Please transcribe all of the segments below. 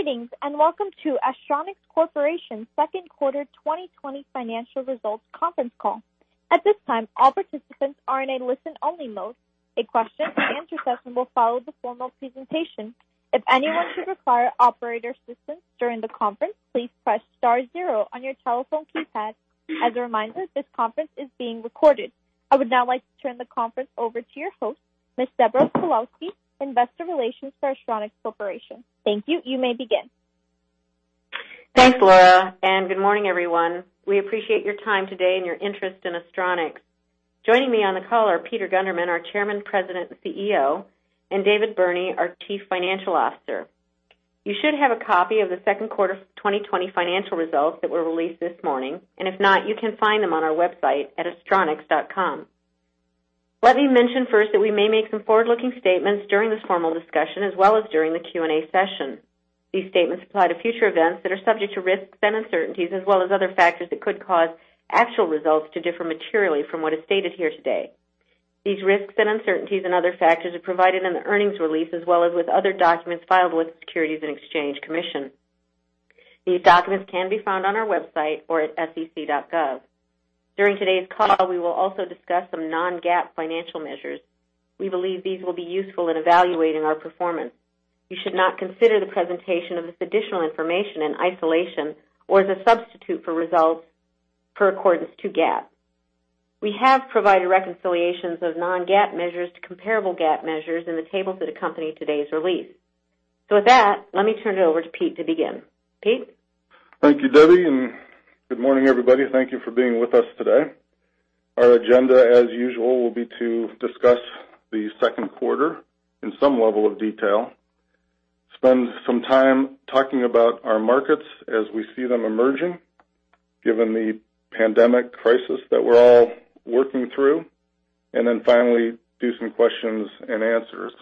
Greetings, welcome to Astronics Corporation second quarter 2020 financial results conference call. At this time, all participants are in a listen only mode. A question and answer session will follow the formal presentation. If anyone should require operator assistance during the conference, please press star zero on your telephone keypad. As a reminder, this conference is being recorded. I would now like to turn the conference over to your host, Ms. Deborah Pawlowski, Investor Relations for Astronics Corporation. Thank you. You may begin. Thanks, Laura, and good morning, everyone. We appreciate your time today and your interest in Astronics. Joining me on the call are Peter Gundermann, our Chairman, President, and CEO, and David Burney, our Chief Financial Officer. You should have a copy of the second quarter 2020 financial results that were released this morning, and if not, you can find them on our website at astronics.com. Let me mention first that we may make some forward-looking statements during this formal discussion as well as during the Q&A session. These statements apply to future events that are subject to risks and uncertainties as well as other factors that could cause actual results to differ materially from what is stated here today. These risks and uncertainties and other factors are provided in the earnings release as well as with other documents filed with the Securities and Exchange Commission. These documents can be found on our website or at sec.gov. During today's call, we will also discuss some non-GAAP financial measures. We believe these will be useful in evaluating our performance. You should not consider the presentation of this additional information in isolation or as a substitute for results per accordance to GAAP. We have provided reconciliations of non-GAAP measures to comparable GAAP measures in the tables that accompany today's release. With that, let me turn it over to Pete to begin. Pete? Thank you, Debbie. Good morning, everybody. Thank you for being with us today. Our agenda, as usual, will be to discuss the second quarter in some level of detail, spend some time talking about our markets as we see them emerging, given the pandemic crisis that we're all working through, finally do some questions and answers.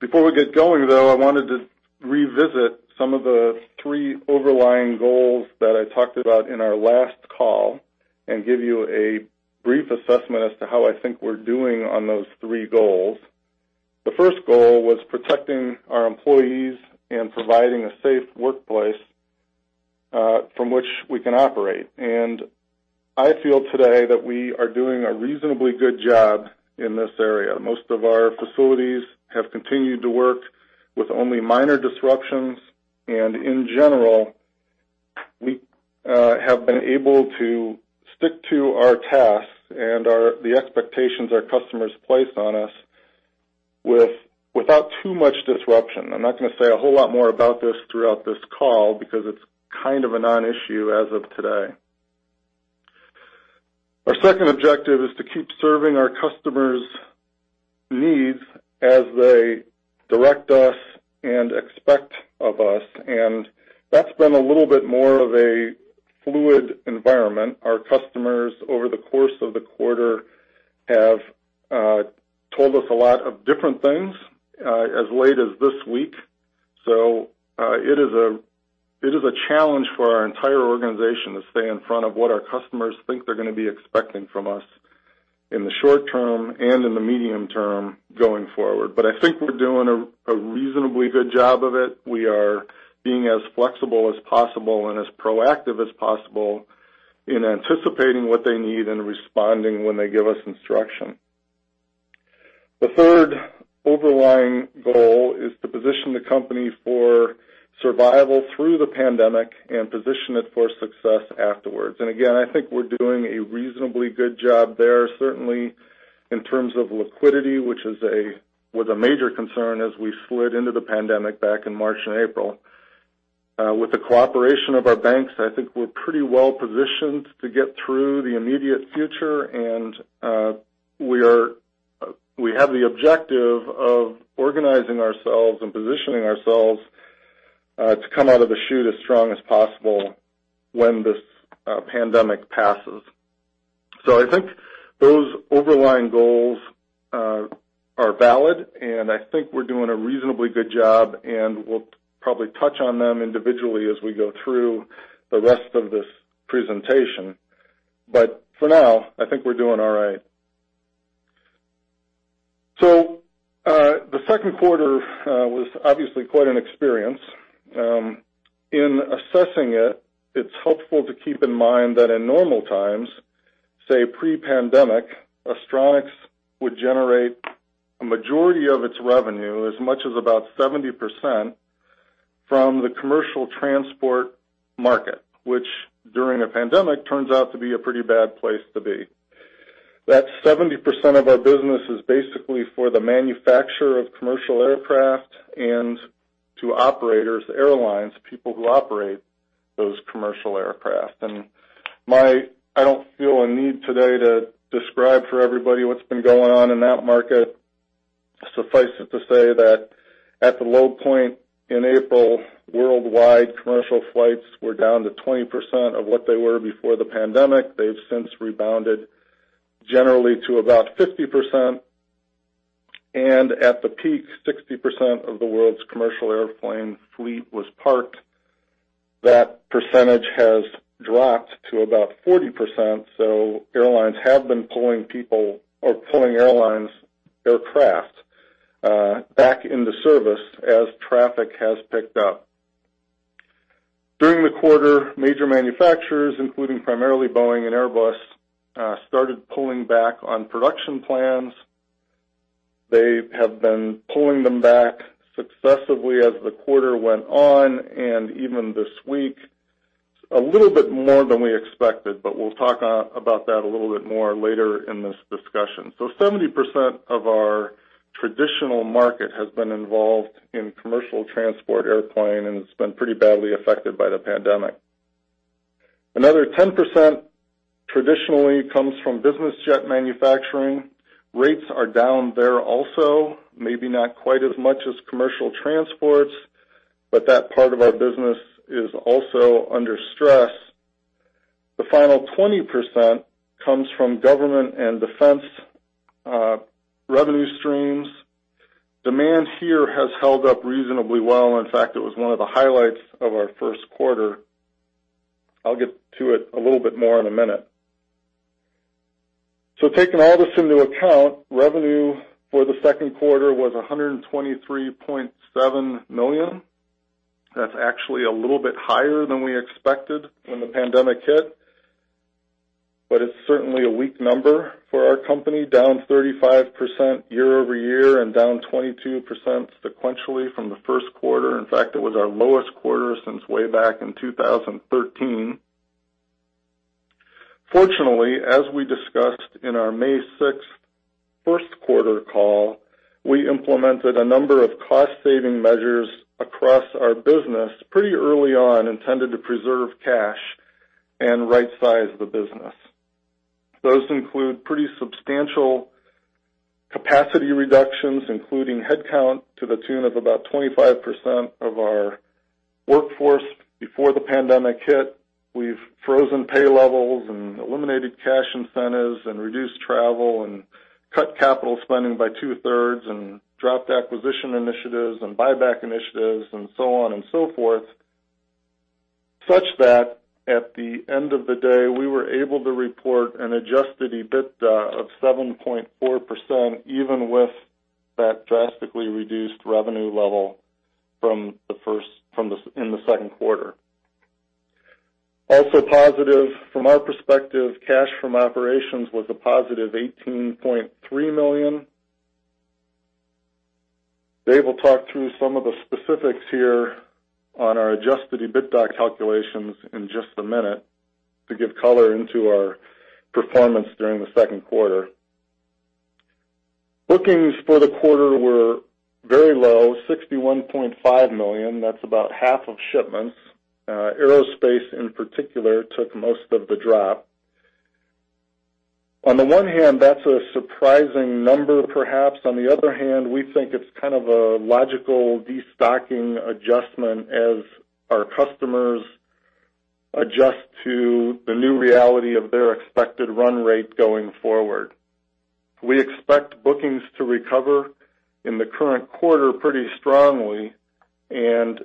Before we get going, though, I wanted to revisit some of the three overlying goals that I talked about in our last call, give you a brief assessment as to how I think we're doing on those three goals. The first goal was protecting our employees and providing a safe workplace, from which we can operate. I feel today that we are doing a reasonably good job in this area. Most of our facilities have continued to work with only minor disruptions. In general, we have been able to stick to our tasks and the expectations our customers place on us without too much disruption. I'm not going to say a whole lot more about this throughout this call because it's kind of a non-issue as of today. Our second objective is to keep serving our customers' needs as they direct us and expect of us, and that's been a little bit more of a fluid environment. Our customers, over the course of the quarter, have told us a lot of different things, as late as this week. It is a challenge for our entire organization to stay in front of what our customers think they're going to be expecting from us in the short term and in the medium term going forward. I think we're doing a reasonably good job of it. We are being as flexible as possible and as proactive as possible in anticipating what they need and responding when they give us instruction. The third overlying goal is to position the company for survival through the pandemic and position it for success afterwards. Again, I think we're doing a reasonably good job there, certainly in terms of liquidity, which was a major concern as we slid into the pandemic back in March and April. With the cooperation of our banks, I think we're pretty well positioned to get through the immediate future. We have the objective of organizing ourselves and positioning ourselves to come out of the chute as strong as possible when this pandemic passes. I think those overlying goals are valid, and I think we're doing a reasonably good job, and we'll probably touch on them individually as we go through the rest of this presentation. For now, I think we're doing all right. The second quarter was obviously quite an experience. In assessing it's helpful to keep in mind that in normal times, say pre-pandemic, Astronics would generate a majority of its revenue, as much as about 70%, from the commercial transport market, which during a pandemic turns out to be a pretty bad place to be. That 70% of our business is basically for the manufacturer of commercial aircraft and to operators, airlines, people who operate those commercial aircraft. I don't feel a need today to describe for everybody what's been going on in that market. Suffice it to say that at the low point in April, worldwide commercial flights were down to 20% of what they were before the pandemic. They've since rebounded generally to about 50%. At the peak, 60% of the world's commercial airplane fleet was parked. That percentage has dropped to about 40%, so airlines have been pulling airlines' aircraft back into service as traffic has picked up. During the quarter, major manufacturers, including primarily Boeing and Airbus, started pulling back on production plans. They have been pulling them back successively as the quarter went on, and even this week, a little bit more than we expected, but we'll talk about that a little bit more later in this discussion. 70% of our traditional market has been involved in commercial transport airplane, and it's been pretty badly affected by the pandemic. Another 10% traditionally comes from business jet manufacturing. Rates are down there also, maybe not quite as much as commercial transports, but that part of our business is also under stress. The final 20% comes from government and defense revenue streams. Demand here has held up reasonably well. In fact, it was one of the highlights of our first quarter. I'll get to it a little bit more in a minute. Taking all this into account, revenue for the second quarter was $123.7 million. That's actually a little bit higher than we expected when the pandemic hit. It's certainly a weak number for our company, down 35% year-over-year and down 22% sequentially from the first quarter. In fact, it was our lowest quarter since way back in 2013. Fortunately, as we discussed in our May 6th first quarter call, we implemented a number of cost-saving measures across our business pretty early on, intended to preserve cash and rightsize the business. Those include pretty substantial capacity reductions, including headcount to the tune of about 25% of our workforce before the pandemic hit. We've frozen pay levels and eliminated cash incentives and reduced travel and cut capital spending by two-thirds and dropped acquisition initiatives and buyback initiatives and so on and so forth, such that at the end of the day, we were able to report an Adjusted EBITDA of 7.4%, even with that drastically reduced revenue level in the second quarter. Also positive from our perspective, cash from operations was a +$18.3 million. Dave will talk through some of the specifics here on our Adjusted EBITDA calculations in just a minute to give color into our performance during the second quarter. Bookings for the quarter were very low, $61.5 million. That's about half of shipments. Aerospace, in particular, took most of the drop. On the one hand, that's a surprising number, perhaps. On the other hand, we think it's kind of a logical destocking adjustment as our customers adjust to the new reality of their expected run rate going forward. We expect bookings to recover in the current quarter pretty strongly, and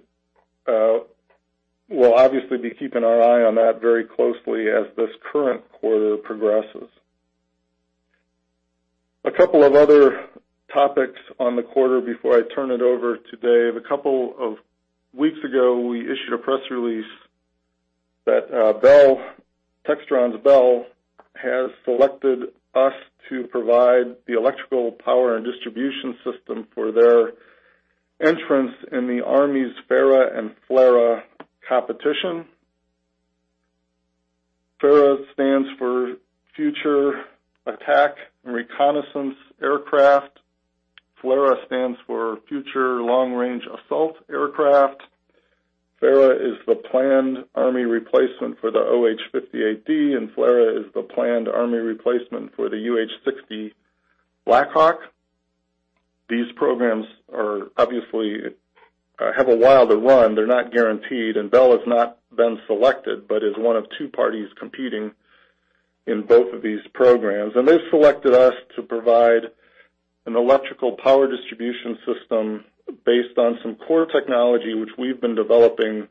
we'll obviously be keeping our eye on that very closely as this current quarter progresses. A couple of other topics on the quarter before I turn it over to Dave. A couple of weeks ago, we issued a press release that Textron's Bell has selected us to provide the electrical power and distribution system for their entrance in the Army's FARA and FLRAA competition. FARA stands for Future Attack Reconnaissance Aircraft. FLRAA stands for Future Long-Range Assault Aircraft. FARA is the planned Army replacement for the OH-58D, and FLRAA is the planned Army replacement for the UH-60 Black Hawk. These programs obviously have a while to run. They're not guaranteed, and Bell has not been selected, but is one of two parties competing in both of these programs. They've selected us to provide an electrical power distribution system based on some core technology which we've been developing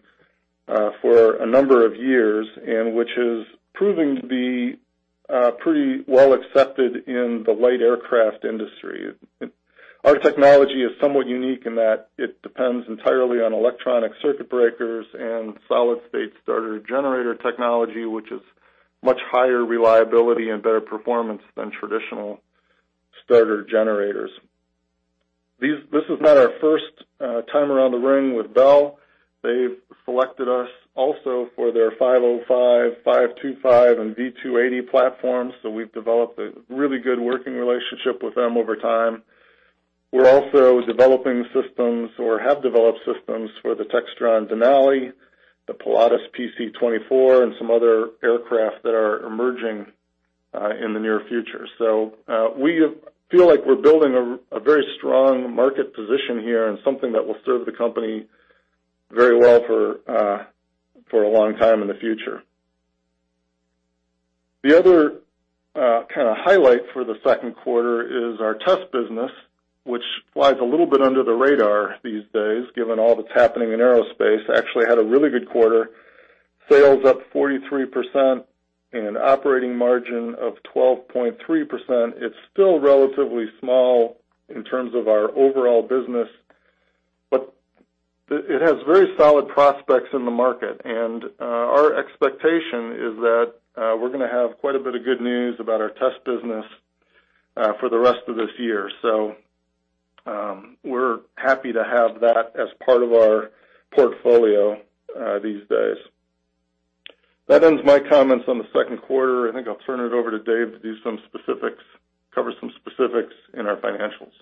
for a number of years and which is proving to be pretty well accepted in the light aircraft industry. Our technology is somewhat unique in that it depends entirely on electronic circuit breakers and solid-state starter generator technology, which is much higher reliability and better performance than traditional starter generators. This is not our first time around the ring with Bell. They've selected us also for their 505, 525, and V280 platforms, so we've developed a really good working relationship with them over time. We're also developing systems or have developed systems for the Textron Denali, the Pilatus PC-24, and some other aircraft that are emerging in the near future. We feel like we're building a very strong market position here and something that will serve the company very well for a long time in the future. The other highlight for the second quarter is our test business, which flies a little bit under the radar these days, given all that's happening in aerospace. Actually had a really good quarter. Sales up 43% and an operating margin of 12.3%. It's still relatively small in terms of our overall business, but it has very solid prospects in the market. Our expectation is that we're going to have quite a bit of good news about our test business for the rest of this year. We're happy to have that as part of our portfolio these days. That ends my comments on the second quarter. I think I'll turn it over to Dave to cover some specifics in our financials.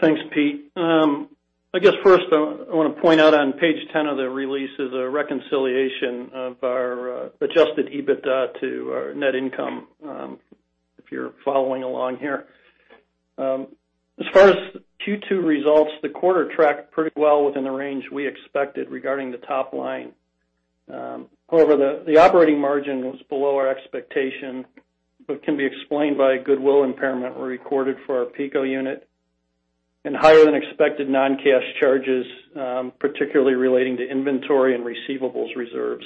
Thanks, Pete. I guess first, I want to point out on page 10 of the release is a reconciliation of our Adjusted EBITDA to our net income, if you're following along here. As far as Q2 results, the quarter tracked pretty well within the range we expected regarding the top line. The operating margin was below our expectation, but can be explained by a goodwill impairment we recorded for our PECO unit and higher-than-expected non-cash charges, particularly relating to inventory and receivables reserves.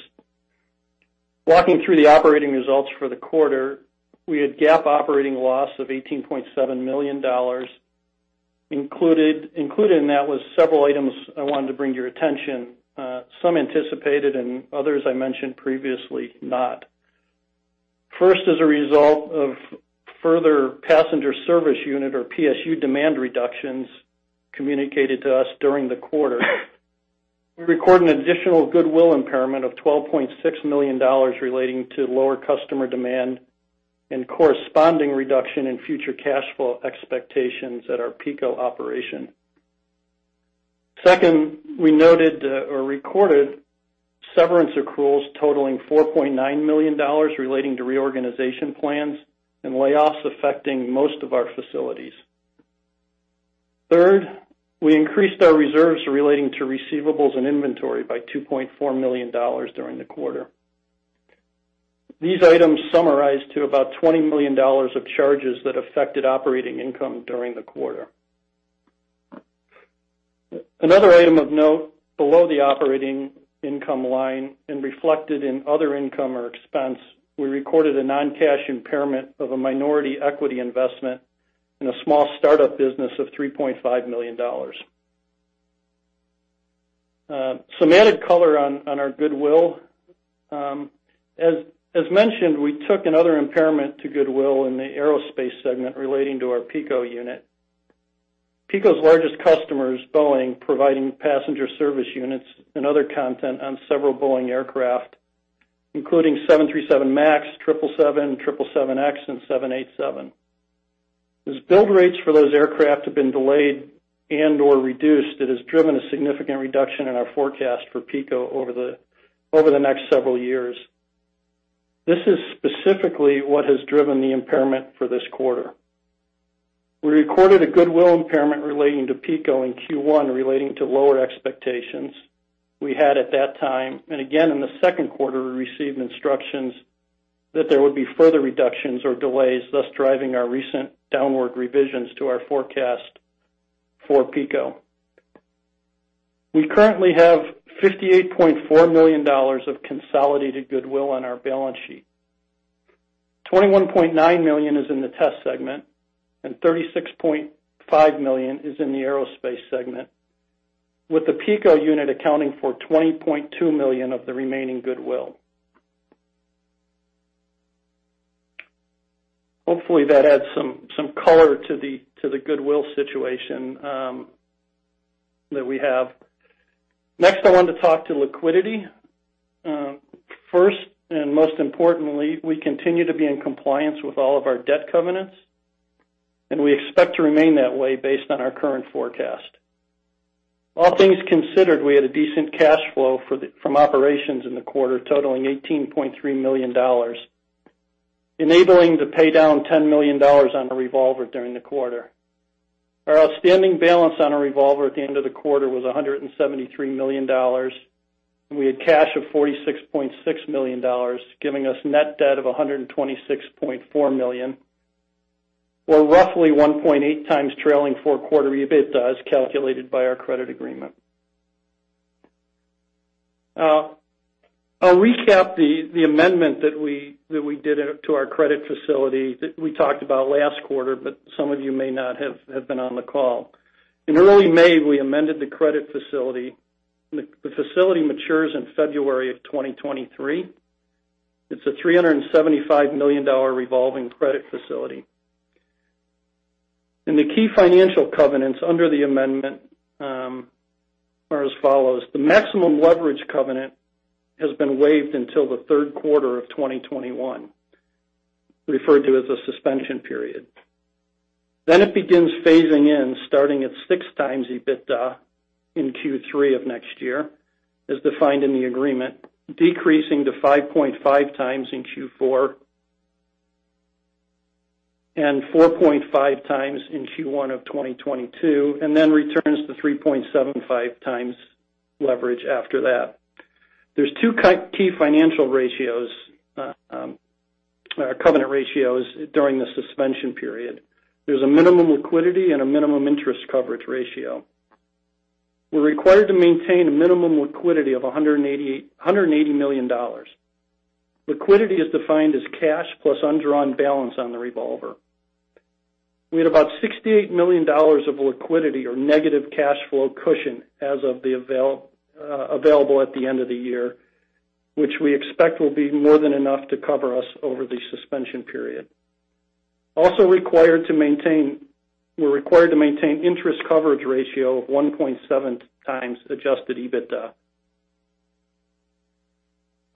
Walking through the operating results for the quarter, we had GAAP operating loss of $18.7 million. Included in that was several items I wanted to bring to your attention, some anticipated and others I mentioned previously, not. First, as a result of further passenger service unit or PSU demand reductions communicated to us during the quarter, we record an additional goodwill impairment of $12.6 million relating to lower customer demand and corresponding reduction in future cash flow expectations at our PECO operation. Second, we noted or recorded severance accruals totaling $4.9 million relating to reorganization plans and layoffs affecting most of our facilities. Third, we increased our reserves relating to receivables and inventory by $2.4 million during the quarter. These items summarize to about $20 million of charges that affected operating income during the quarter. Another item of note, below the operating income line and reflected in other income or expense, we recorded a non-cash impairment of a minority equity investment in a small startup business of $3.5 million. Some added color on our goodwill. We took another impairment to goodwill in the aerospace segment relating to our PECO unit. PECO's largest customer is Boeing, providing passenger service units and other content on several Boeing aircraft, including 737 MAX, 777, 777X, and 787. Build rates for those aircraft have been delayed and/or reduced, it has driven a significant reduction in our forecast for PECO over the next several years. This is specifically what has driven the impairment for this quarter. We recorded a goodwill impairment relating to PECO in Q1 relating to lower expectations we had at that time. Again, in the second quarter, we received instructions that there would be further reductions or delays, thus driving our recent downward revisions to our forecast for PECO. We currently have $58.4 million of consolidated goodwill on our balance sheet. $21.9 million is in the test segment and $36.5 million is in the aerospace segment, with the PECO unit accounting for $20.2 million of the remaining goodwill. Hopefully, that adds some color to the goodwill situation that we have. Next, I want to talk to liquidity. First, and most importantly, we continue to be in compliance with all of our debt covenants, and we expect to remain that way based on our current forecast. All things considered, we had a decent cash flow from operations in the quarter totaling $18.3 million, enabling to pay down $10 million on the revolver during the quarter. Our outstanding balance on our revolver at the end of the quarter was $173 million, and we had cash of $46.6 million, giving us net debt of $126.4 million or roughly 1.8x trailing four-quarter EBITDA, as calculated by our credit agreement. I'll recap the amendment that we did to our credit facility that we talked about last quarter, but some of you may not have been on the call. In early May, we amended the credit facility. The facility matures in February of 2023. It's a $375 million revolving credit facility. The key financial covenants under the amendment are as follows. The maximum leverage covenant has been waived until the third quarter of 2021, referred to as a suspension period. It begins phasing in, starting at 6x EBITDA in Q3 of next year, as defined in the agreement, decreasing to 5.5x in Q4 and 4.5x in Q1 of 2022, and then returns to 3.75x leverage after that. There's two key financial ratios, covenant ratios, during the suspension period. There's a minimum liquidity and a minimum interest coverage ratio. We're required to maintain a minimum liquidity of $180 million. Liquidity is defined as cash plus undrawn balance on the revolver. We had about $68 million of liquidity or negative cash flow cushion available at the end of the year, which we expect will be more than enough to cover us over the suspension period. We're required to maintain interest coverage ratio of 1.7x Adjusted EBITDA.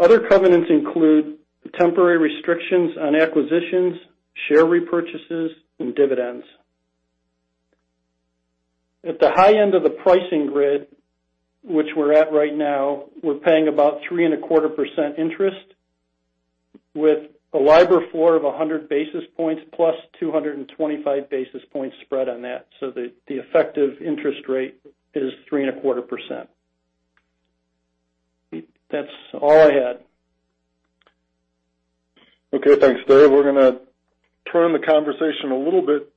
Other covenants include temporary restrictions on acquisitions, share repurchases, and dividends. At the high end of the pricing grid, which we're at right now, we're paying about 3.25% interest with a LIBOR floor of 100 basis points +225 basis points spread on that. The effective interest rate is 3.25%. That's all I had. Okay. Thanks, Dave. We're going to turn the conversation a little bit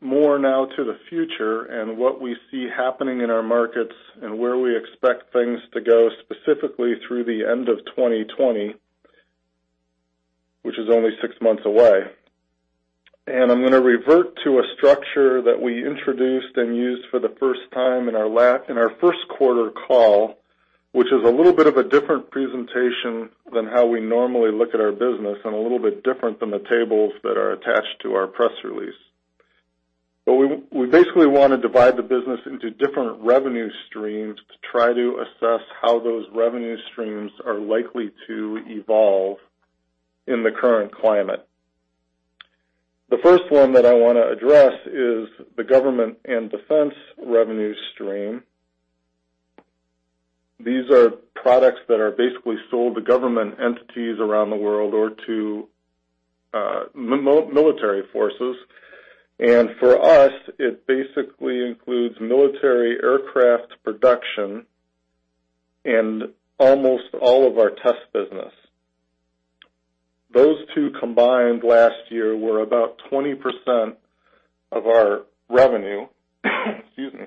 more now to the future and what we see happening in our markets and where we expect things to go, specifically through the end of 2020, which is only six months away. I'm going to revert to a structure that we introduced and used for the first time in our first quarter call, which is a little bit of a different presentation than how we normally look at our business and a little bit different than the tables that are attached to our press release. We basically want to divide the business into different revenue streams to try to assess how those revenue streams are likely to evolve in the current climate. The first one that I want to address is the government and defense revenue stream. These are products that are basically sold to government entities around the world or to military forces. For us, it basically includes military aircraft production and almost all of our test business. Those two combined last year were about 20% of our revenue. Excuse me.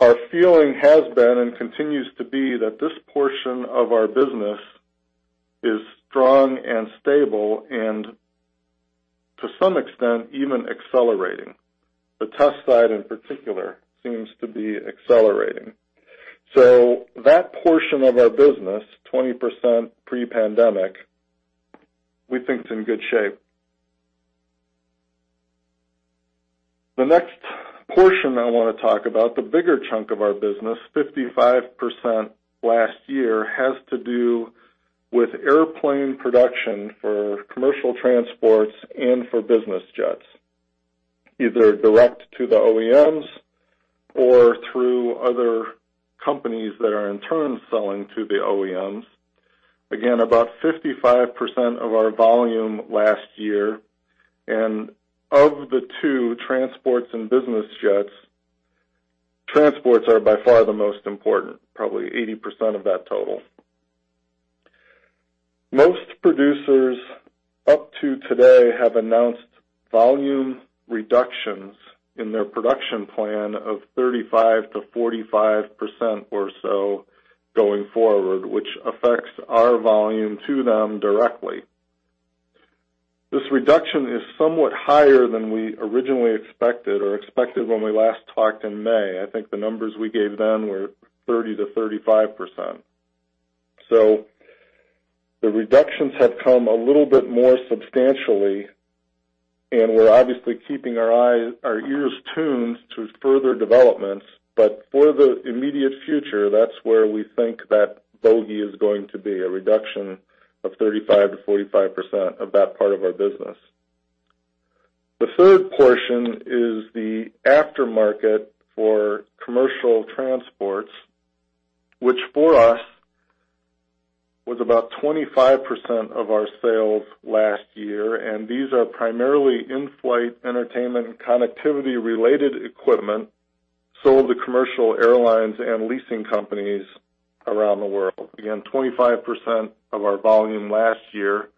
Our feeling has been, and continues to be, that this portion of our business is strong and stable and to some extent, even accelerating. The test side in particular seems to be accelerating. That portion of our business, 20% pre-pandemic, we think is in good shape. The next portion I want to talk about, the bigger chunk of our business, 55% last year, has to do with airplane production for commercial transports and for business jets, either direct to the OEMs or through other companies that are in turn selling to the OEMs. Again, about 55% of our volume last year. Of the two, transports and business jets, transports are by far the most important, probably 80% of that total. Most producers up to today have announced volume reductions in their production plan of 35%-45% or so going forward, which affects our volume to them directly. This reduction is somewhat higher than we originally expected or expected when we last talked in May. I think the numbers we gave then were 30%-35%. The reductions have come a little bit more substantially, and we're obviously keeping our ears tuned to further developments. For the immediate future, that's where we think that bogey is going to be, a reduction of 35%-45% of that part of our business. The third portion is the aftermarket for commercial transports, which for us was about 25% of our sales last year, and these are primarily in-flight entertainment and connectivity-related equipment sold to commercial airlines and leasing companies around the world. Again, 25% of our volume last year.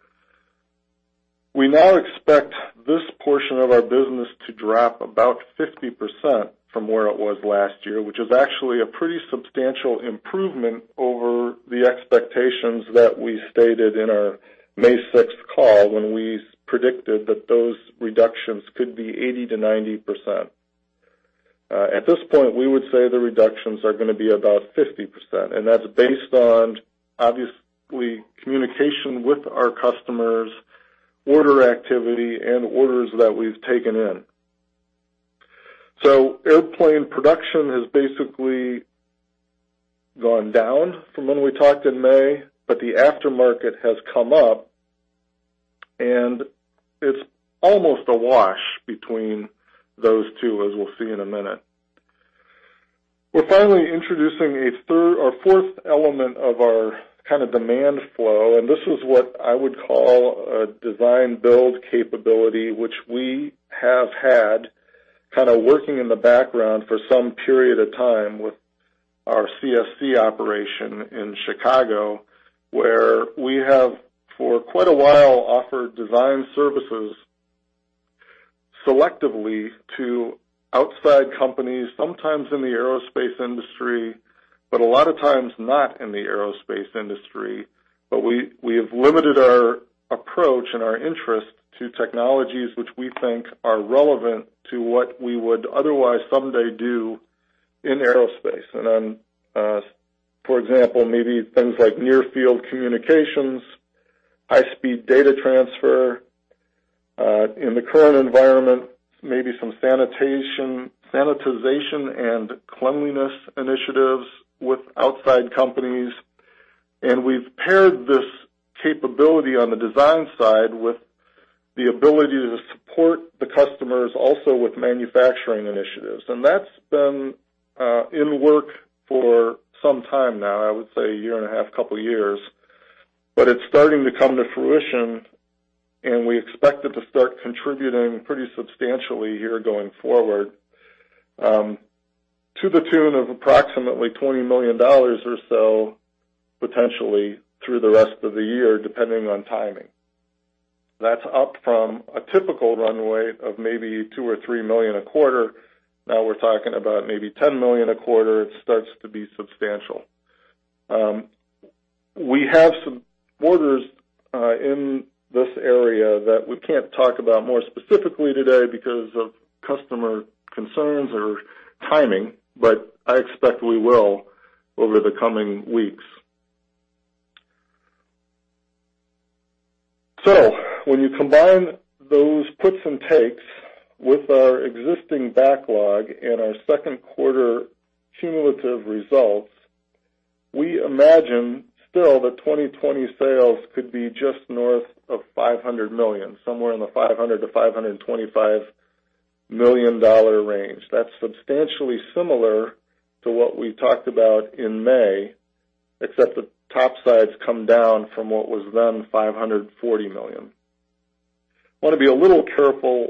We now expect this portion of our business to drop about 50% from where it was last year, which is actually a pretty substantial improvement over the expectations that we stated in our May 6th call when we predicted that those reductions could be 80%-90%. At this point, we would say the reductions are going to be about 50%, and that's based on, obviously, communication with our customers, order activity, and orders that we've taken in. Airplane production has basically gone down from when we talked in May, but the aftermarket has come up, and it's almost a wash between those two, as we'll see in a minute. We're finally introducing a fourth element of our kind of demand flow, and this is what I would call a design build capability, which we have had kind of working in the background for some period of time with our CSC operation in Chicago, where we have for quite a while offered design services selectively to outside companies, sometimes in the aerospace industry, but a lot of times not in the aerospace industry. We have limited our approach and our interest to technologies which we think are relevant to what we would otherwise someday do in aerospace. For example, maybe things like Near Field Communication, high-speed data transfer. In the current environment, maybe some sanitization and cleanliness initiatives with outside companies. We've paired this capability on the design side with the ability to support the customers also with manufacturing initiatives. That's been in work for some time now, I would say a year and a half, couple years. It's starting to come to fruition, and we expect it to start contributing pretty substantially here going forward, to the tune of approximately $20 million or so potentially through the rest of the year, depending on timing. That's up from a typical runway of maybe $2 or $3 million a quarter. Now we're talking about maybe $10 million a quarter. It starts to be substantial. We have some orders in this area that we can't talk about more specifically today because of customer concerns or timing, but I expect we will over the coming weeks. When you combine those puts and takes with our existing backlog and our second quarter cumulative results, we imagine still that 2020 sales could be just north of $500 million, somewhere in the $500 million-$525 million range. That's substantially similar to what we talked about in May, except the top side's come down from what was then $540 million. I want to be a little careful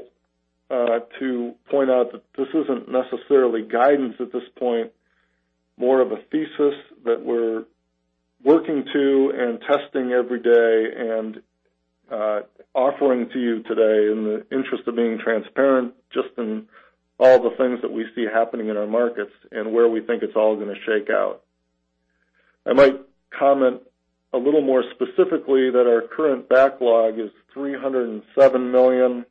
to point out that this isn't necessarily guidance at this point, more of a thesis that we're working to and testing every day and offering to you today in the interest of being transparent just in all the things that we see happening in our markets and where we think it's all going to shake out. I might comment a little more specifically that our current backlog is $307 million,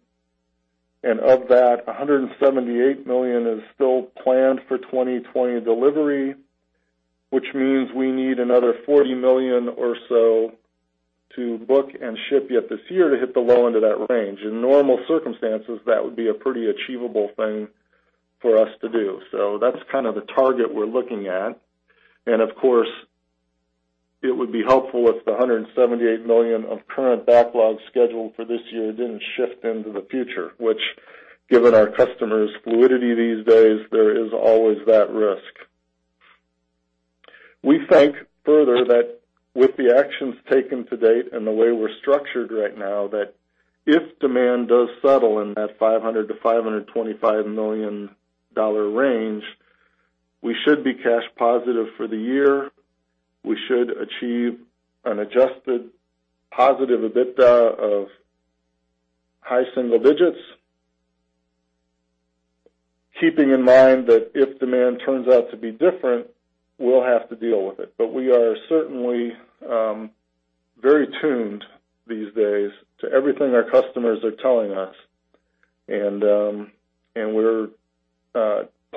of that, $178 million is still planned for 2020 delivery, which means we need another $40 million or so to book and ship yet this year to hit the low end of that range. In normal circumstances, that would be a pretty achievable thing for us to do. That's kind of the target we're looking at. Of course, it would be helpful if the $178 million of current backlog scheduled for this year didn't shift into the future, which, given our customers' fluidity these days, there is always that risk. We think further that with the actions taken to date and the way we're structured right now, that if demand does settle in that $500 million-$525 million range, we should be cash positive for the year. We should achieve an adjusted positive EBITDA of high single digits. Keeping in mind that if demand turns out to be different, we'll have to deal with it. We are certainly very tuned these days to everything our customers are telling us, and we're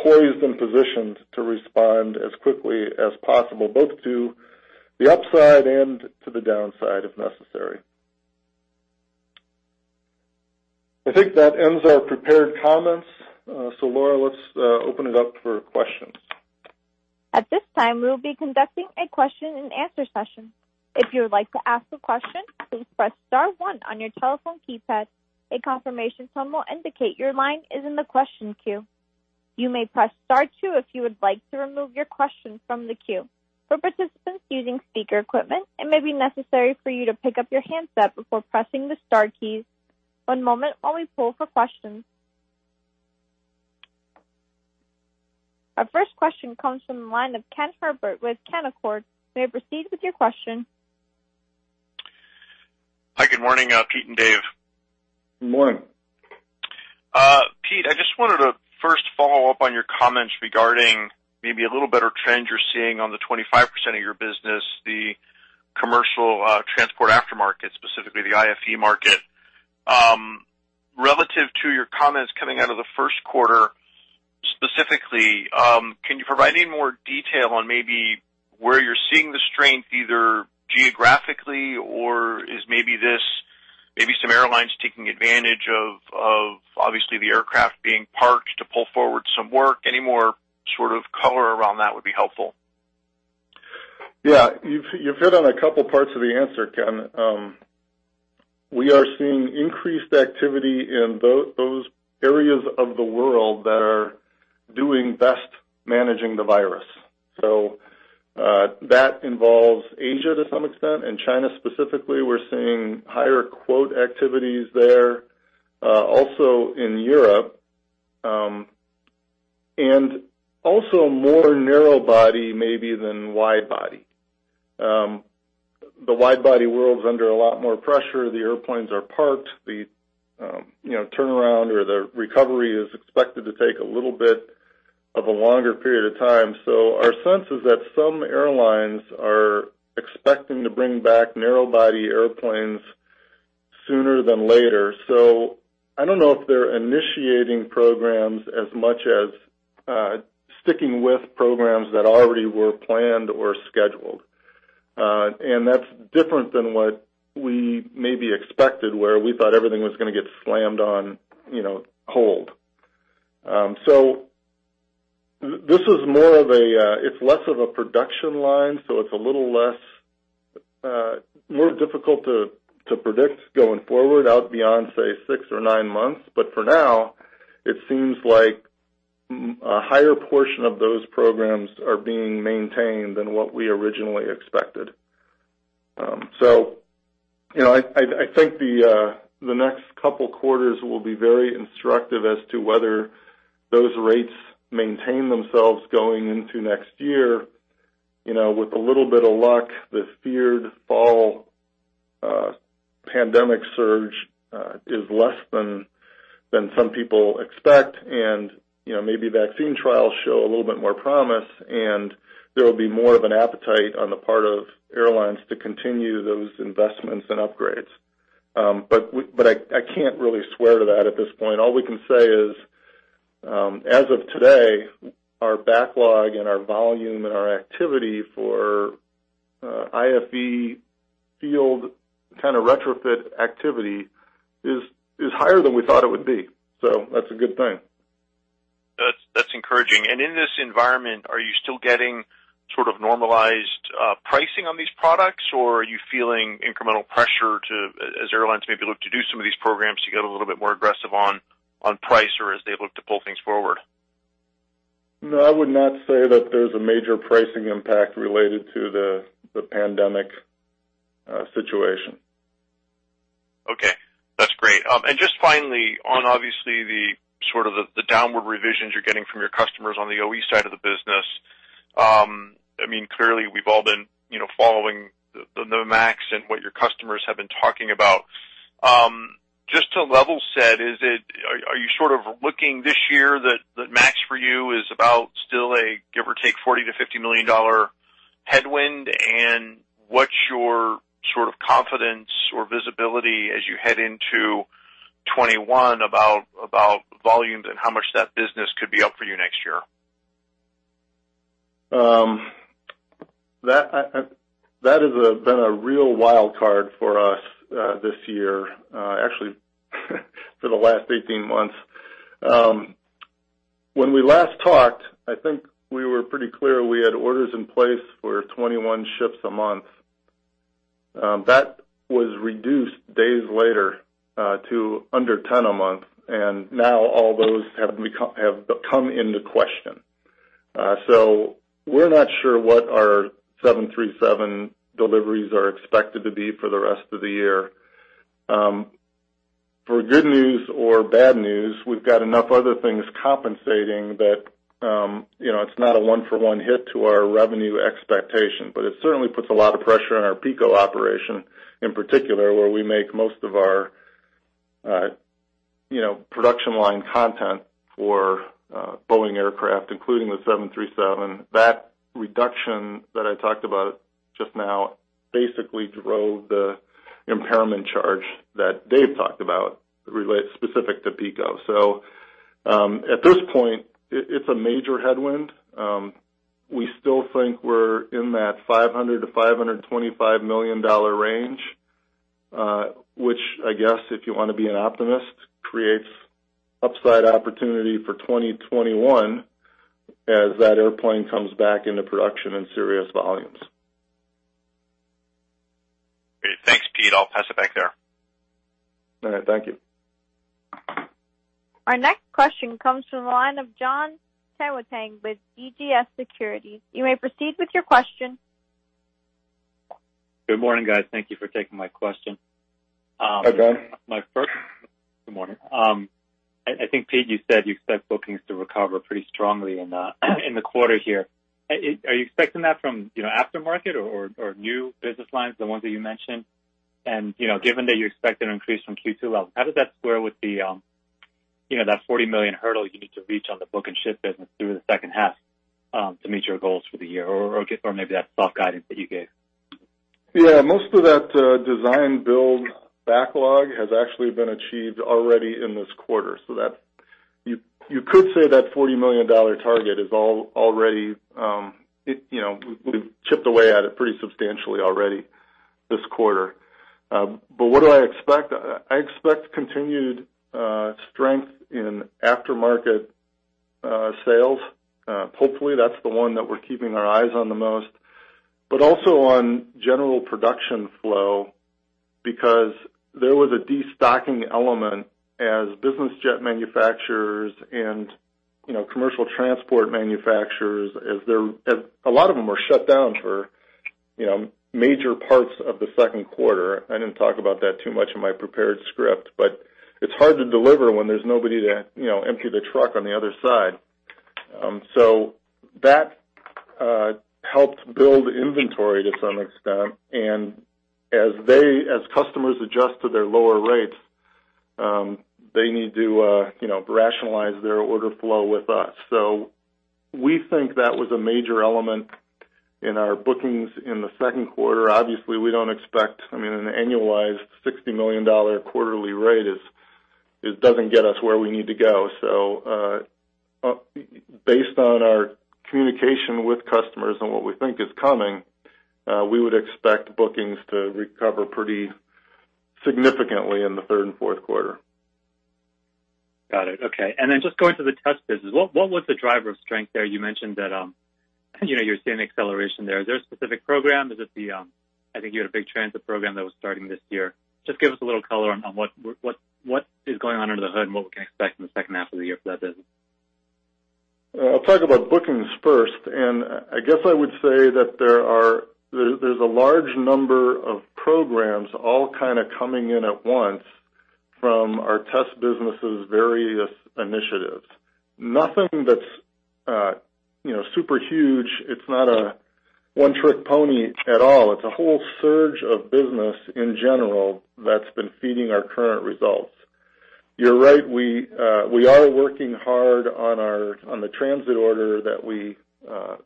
poised and positioned to respond as quickly as possible, both to the upside and to the downside if necessary. I think that ends our prepared comments. Laura, let's open it up for questions. At this time, we will be conducting a question and answer session. If you would like to ask a question, please press star one on your telephone keypad. A confirmation tone will indicate your line is in the question queue. You may press star two if you would like to remove your question from the queue. For participants using speaker equipment, it may be necessary for you to pick up your handset before pressing the star keys. One moment while we pull for questions. Our first question comes from the line of Ken Herbert with Canaccord. You may proceed with your question. Hi, good morning, Pete and Dave. Good morning. Pete, I just wanted to first follow up on your comments regarding maybe a little better trend you're seeing on the 25% of your business, the commercial transport aftermarket, specifically the IFE market. Relative to your comments coming out of the first quarter, specifically, can you provide any more detail on maybe where you're seeing the strength, either geographically or is maybe some airlines taking advantage of obviously the aircraft being parked to pull forward some work? Any more sort of color around that would be helpful. Yeah. You've hit on a couple parts of the answer, Ken. We are seeing increased activity in those areas of the world that are doing best managing the virus. That involves Asia to some extent, and China specifically. We're seeing higher quote activities there. Also in Europe. Also more narrow body, maybe, than wide body. The wide body world's under a lot more pressure. The airplanes are parked. The turnaround or the recovery is expected to take a little bit of a longer period of time. Our sense is that some airlines are expecting to bring back narrow body airplanes sooner than later. I don't know if they're initiating programs as much as sticking with programs that already were planned or scheduled. That's different than what we maybe expected, where we thought everything was going to get slammed on hold. It's less of a production line, so it's more difficult to predict going forward out beyond, say, six or nine months. For now, it seems like a higher portion of those programs are being maintained than what we originally expected. I think the next couple quarters will be very instructive as to whether those rates maintain themselves going into next year. With a little bit of luck, the feared fall pandemic surge is less than some people expect, and maybe vaccine trials show a little bit more promise, and there will be more of an appetite on the part of airlines to continue those investments and upgrades. I can't really swear to that at this point. All we can say is, as of today, our backlog and our volume and our activity for IFE field kind of retrofit activity is higher than we thought it would be. That's a good thing. That's encouraging. In this environment, are you still getting sort of normalized pricing on these products, or are you feeling incremental pressure to, as airlines maybe look to do some of these programs, to get a little bit more aggressive on price or as they look to pull things forward? No, I would not say that there's a major pricing impact related to the pandemic situation. Okay, that's great. Just finally, on obviously the sort of the downward revisions you're getting from your customers on the OE side of the business. Clearly, we've all been following the MAX and what your customers have been talking about. Just to level set, are you sort of looking this year that MAX for you is about still a give or take $40 million-$50 million headwind? What's your sort of confidence or visibility as you head into 2021 about volumes and how much that business could be up for you next year? That has been a real wild card for us this year, actually for the last 18 months. When we last talked, I think we were pretty clear we had orders in place for 21 ships a month. That was reduced days later to under 10 a month. Now all those have come into question. We're not sure what our 737 deliveries are expected to be for the rest of the year. For good news or bad news, we've got enough other things compensating that it's not a one-for-one hit to our revenue expectation. It certainly puts a lot of pressure on our PECO operation in particular, where we make most of our production line content for Boeing aircraft, including the 737. That reduction that I talked about just now basically drove the impairment charge that Dave talked about specific to PECO. At this point, it's a major headwind. We still think we're in that $500 million-$525 million range. Which I guess, if you want to be an optimist, creates upside opportunity for 2021 as that airplane comes back into production in serious volumes. Great. Thanks, Pete. I'll pass it back there. All right. Thank you. Our next question comes from the line of Jon Tanwanteng with CJS Securities. You may proceed with your question. Good morning, guys. Thank you for taking my question. Hi, Jon. Good morning. I think, Pete, you said you expect bookings to recover pretty strongly in the quarter here. Are you expecting that from aftermarket or new business lines, the ones that you mentioned? Given that you expect an increase from Q2 levels, how does that square with that $40 million hurdle you need to reach on the book and ship business through the second half to meet your goals for the year or maybe that soft guidance that you gave? Yeah, most of that design build backlog has actually been achieved already in this quarter. You could say that $40 million target. We've chipped away at it pretty substantially already this quarter. What do I expect? I expect continued strength in aftermarket sales. Hopefully, that's the one that we're keeping our eyes on the most, but also on general production flow, because there was a destocking element as business jet manufacturers and commercial transport manufacturers, a lot of them were shut down for major parts of the second quarter. I didn't talk about that too much in my prepared script. It's hard to deliver when there's nobody to empty the truck on the other side. That helped build inventory to some extent, and as customers adjust to their lower rates, they need to rationalize their order flow with us. We think that was a major element in our bookings in the second quarter. Obviously, we don't expect an annualized $60 million quarterly rate. It doesn't get us where we need to go. Based on our communication with customers and what we think is coming, we would expect bookings to recover pretty significantly in the third and fourth quarter. Got it. Okay. Then just going to the Test Business, what was the driver of strength there? You mentioned that you're seeing acceleration there. Is there a specific program? I think you had a big transit program that was starting this year. Just give us a little color on what is going on under the hood and what we can expect in the second half of the year for that Business? I'll talk about bookings first, and I guess I would say that there's a large number of programs all kind of coming in at once from our Test business' various initiatives. Nothing that's super huge. It's not a one-trick pony at all. It's a whole surge of business in general that's been feeding our current results. You're right, we are working hard on the transit order that we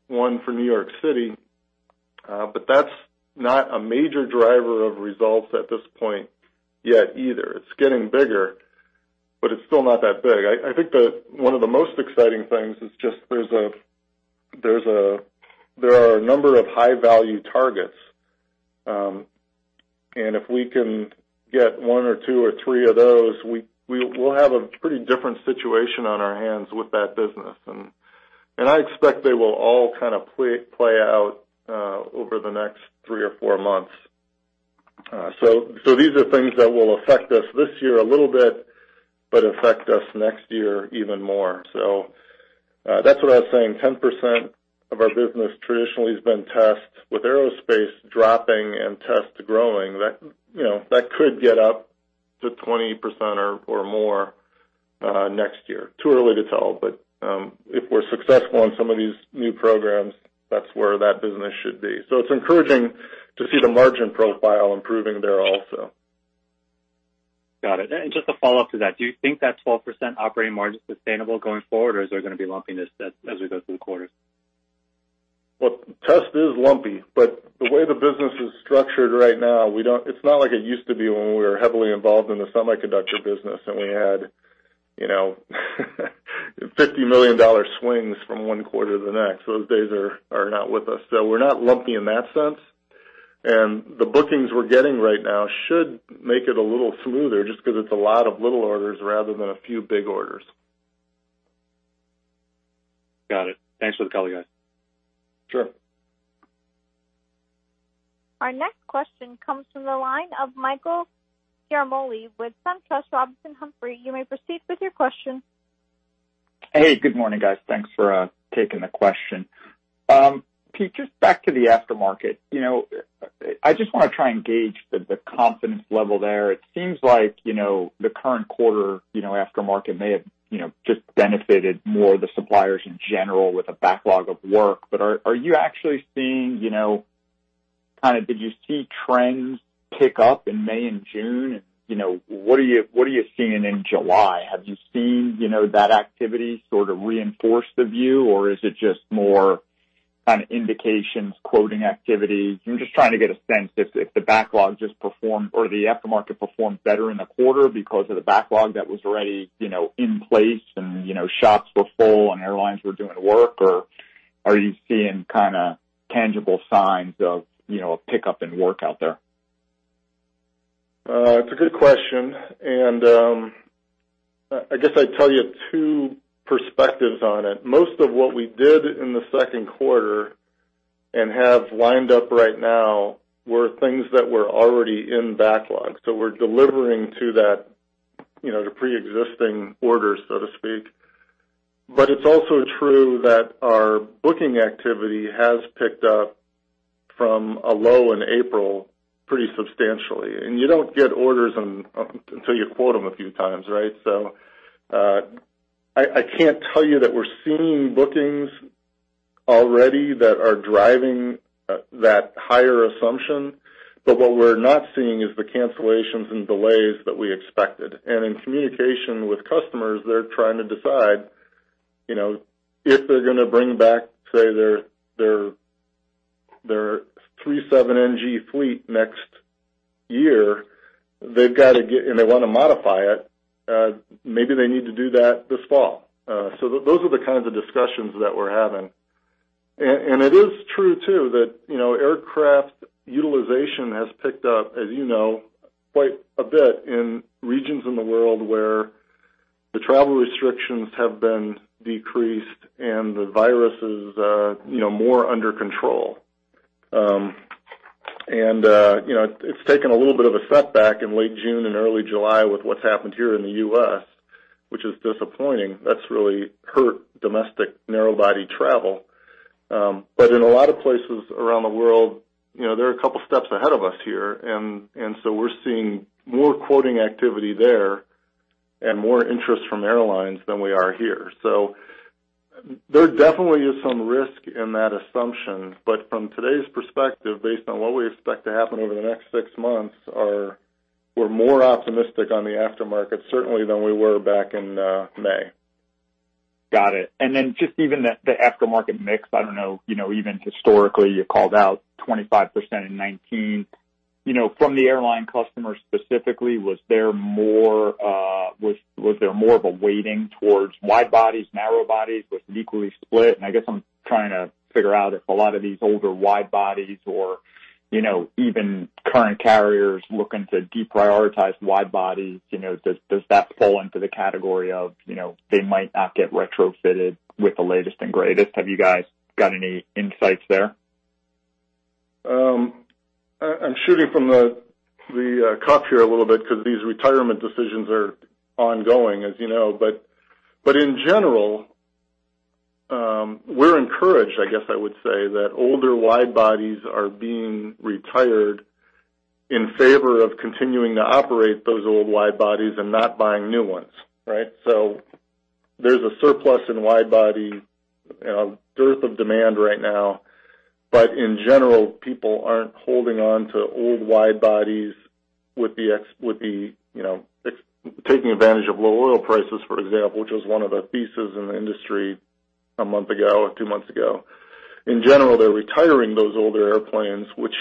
won for New York City. That's not a major driver of results at this point yet either. It's getting bigger, but it's still not that big. I think that one of the most exciting things is just there are a number of high-value targets, and if we can get one or two or three of those, we'll have a pretty different situation on our hands with that business. I expect they will all kind of play out over the next three or four months. These are things that will affect us this year a little bit, but affect us next year even more. That's what I was saying, 10% of our business traditionally has been Test. With aerospace dropping and Test growing, that could get up to 20% or more next year. Too early to tell, but if we're successful on some of these new programs, that's where that business should be. It's encouraging to see the margin profile improving there also. Got it. Just a follow-up to that, do you think that 12% operating margin is sustainable going forward, or is there going to be lumpiness as we go through the quarters? Well, Test is lumpy, but the way the business is structured right now, it's not like it used to be when we were heavily involved in the semiconductor business and we had $50 million swings from one quarter to the next. Those days are not with us. We're not lumpy in that sense, and the bookings we're getting right now should make it a little smoother, just because it's a lot of little orders rather than a few big orders. Got it. Thanks for the color, guys. Sure. Our next question comes from the line of Michael Ciarmoli with SunTrust Robinson Humphrey. You may proceed with your question. Hey, good morning, guys. Thanks for taking the question. Pete, just back to the aftermarket. I just want to try and gauge the confidence level there. It seems like the current quarter aftermarket may have just benefited more of the suppliers in general with a backlog of work. Are you actually seeing, kind of did you see trends pick up in May and June? What are you seeing in July? Have you seen that activity sort of reinforce the view, or is it just more kind of indications, quoting activity? I'm just trying to get a sense if the backlog just performed or the aftermarket performed better in the quarter because of the backlog that was already in place and shops were full and airlines were doing work, or are you seeing kind of tangible signs of a pickup in work out there? It's a good question. I guess I'd tell you two perspectives on it. Most of what we did in the second quarter have lined up right now were things that were already in backlog. We're delivering to the preexisting orders, so to speak. It's also true that our booking activity has picked up from a low in April pretty substantially. You don't get orders until you quote them a few times, right? I can't tell you that we're seeing bookings already that are driving that higher assumption. What we're not seeing is the cancellations and delays that we expected. In communication with customers, they're trying to decide if they're going to bring back, say, their 737NG fleet next year, and they want to modify it, maybe they need to do that this fall. Those are the kinds of discussions that we're having. It is true too, that aircraft utilization has picked up, as you know, quite a bit in regions in the world where the travel restrictions have been decreased and the virus is more under control. It's taken a little bit of a setback in late June and early July with what's happened here in the U.S., which is disappointing. That's really hurt domestic narrow body travel. In a lot of places around the world, they're a couple steps ahead of us here, and so we're seeing more quoting activity there and more interest from airlines than we are here. There definitely is some risk in that assumption. From today's perspective, based on what we expect to happen over the next six months, we're more optimistic on the aftermarket, certainly, than we were back in May. Got it. Just even the aftermarket mix, I don't know, even historically, you called out 25% in 2019. From the airline customer specifically, was there more of a weighting towards wide bodies, narrow bodies? Was it equally split? I guess I'm trying to figure out if a lot of these older wide bodies or even current carriers looking to deprioritize wide bodies, does that fall into the category of they might not get retrofitted with the latest and greatest. Have you guys got any insights there? I'm shooting from the cuff here a little bit because these retirement decisions are ongoing, as you know. In general, we're encouraged, I guess I would say, that older wide bodies are being retired in favor of continuing to operate those old wide bodies and not buying new ones. Right? There's a surplus in wide body, a dearth of demand right now. In general, people aren't holding on to old wide bodies with the taking advantage of low oil prices, for example, which was one of the pieces in the industry a month ago or two months ago. In general, they're retiring those older airplanes, which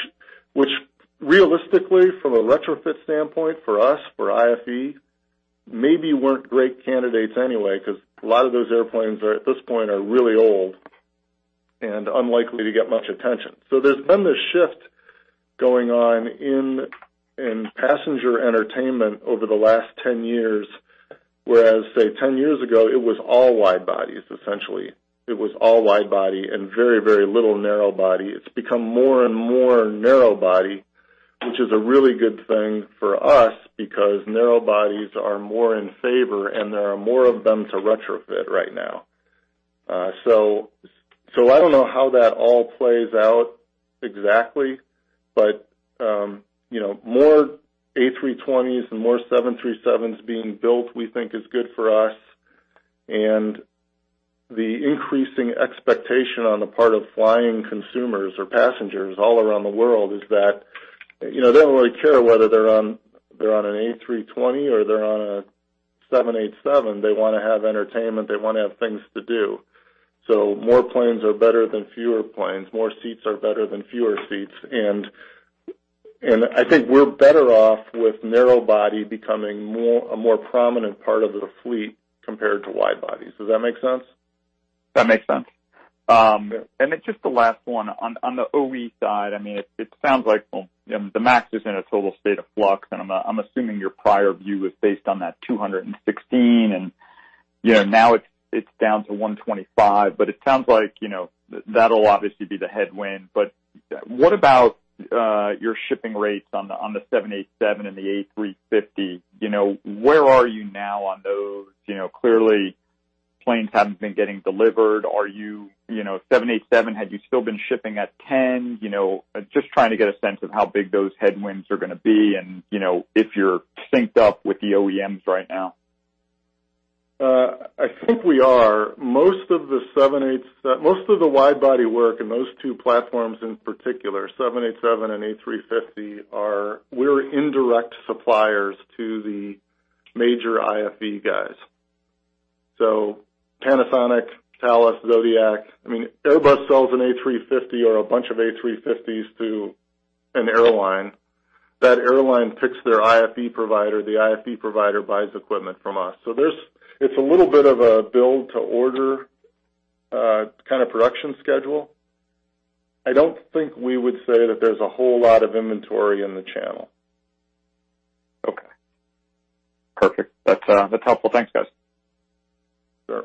realistically, from a retrofit standpoint, for us, for IFE, maybe weren't great candidates anyway, because a lot of those airplanes, at this point, are really old and unlikely to get much attention. There's been this shift going on in passenger entertainment over the last 10 years, whereas, say, 10 years ago, it was all wide bodies, essentially. It was all wide body and very little narrow body. It's become more and more narrow body, which is a really good thing for us because narrow bodies are more in favor, and there are more of them to retrofit right now. I don't know how that all plays out exactly, but more A320s and more 737s being built, we think is good for us. The increasing expectation on the part of flying consumers or passengers all around the world is that they don't really care whether they're on an A320 or they're on a 787. They want to have entertainment. They want to have things to do. More planes are better than fewer planes. More seats are better than fewer seats. I think we're better off with narrow body becoming a more prominent part of the fleet compared to wide bodies. Does that make sense? That makes sense. Just the last one. On the OE side, it sounds like the MAX is in a total state of flux, and I'm assuming your prior view was based on that 216, and now it's down to 125. It sounds like that'll obviously be the headwind. What about your shipping rates on the 787 and the A350? Where are you now on those? Clearly planes haven't been getting delivered. Are you, 787, had you still been shipping at 10? Just trying to get a sense of how big those headwinds are going to be and if you're synced up with the OEMs right now. I think we are. Most of the wide body work and those two platforms in particular, 787 and A350, we're indirect suppliers to the major IFE guys. Panasonic, Thales, Zodiac. Airbus sells an A350 or a bunch of A350s to an airline. That airline picks their IFE provider. The IFE provider buys equipment from us. It's a little bit of a build-to-order kind of production schedule. I don't think we would say that there's a whole lot of inventory in the channel. Okay, perfect. That's helpful. Thanks, guys. Sure.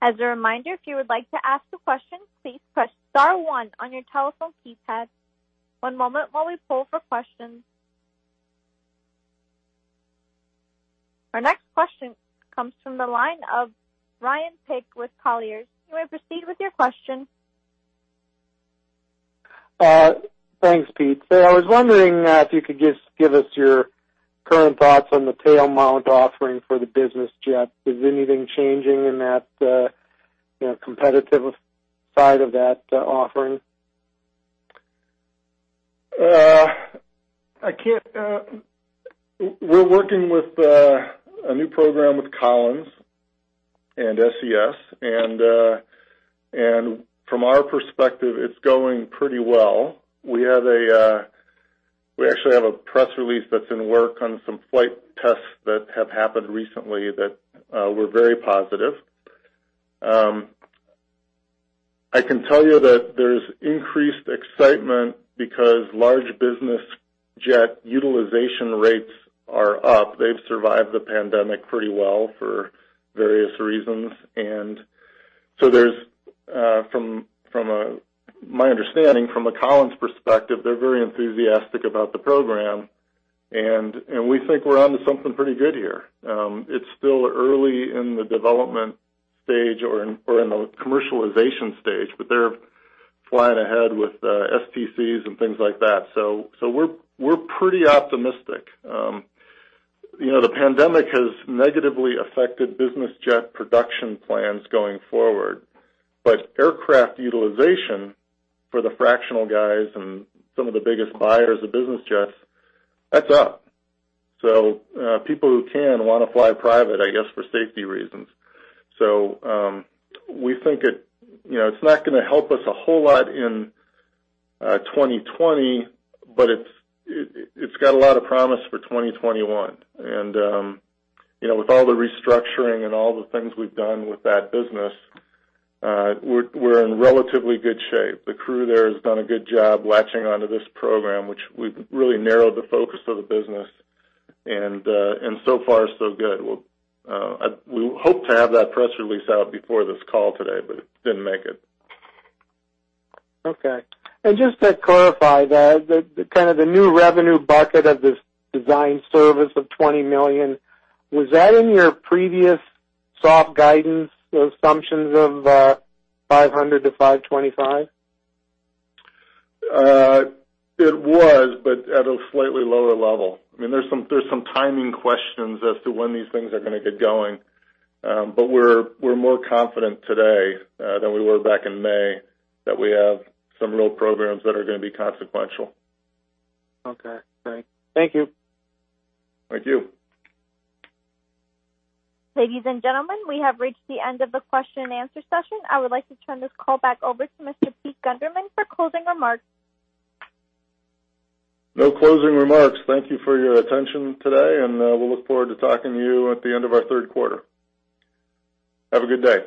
As a reminder, if you would like to ask a question, please press star one on your telephone keypad. One moment while we poll for questions. Our next question comes from the line of Ryan Dick with Colliers. You may proceed with your question. Thanks, Pete. I was wondering if you could just give us your current thoughts on the tail mount offering for the business jet. Is anything changing in that competitive side of that offering? We're working with a new program with Collins and SES. From our perspective, it's going pretty well. We actually have a press release that's in work on some flight tests that have happened recently that were very positive. I can tell you that there's increased excitement because large business jet utilization rates are up. They've survived the pandemic pretty well for various reasons. From my understanding, from a Collins perspective, they're very enthusiastic about the program, and we think we're onto something pretty good here. It's still early in the development stage or in the commercialization stage, they're flying ahead with STCs and things like that. We're pretty optimistic. The pandemic has negatively affected business jet production plans going forward. Aircraft utilization for the fractional guys and some of the biggest buyers of business jets, that's up. People who can, want to fly private, I guess, for safety reasons. We think it's not going to help us a whole lot in 2020, but it's got a lot of promise for 2021. With all the restructuring and all the things we've done with that business, we're in relatively good shape. The crew there has done a good job latching onto this program, which we've really narrowed the focus of the business. So far, so good. We hope to have that press release out before this call today, but it didn't make it. Okay. Just to clarify that, the new revenue bucket of this design service of $20 million, was that in your previous soft guidance assumptions of $500 million-$525 million? It was at a slightly lower level. There's some timing questions as to when these things are going to get going. We're more confident today than we were back in May that we have some real programs that are going to be consequential. Okay, great. Thank you. Thank you. Ladies and gentlemen, we have reached the end of the question and answer session. I would like to turn this call back over to Mr. Pete Gundermann for closing remarks. No closing remarks. Thank you for your attention today, and we'll look forward to talking to you at the end of our third quarter. Have a good day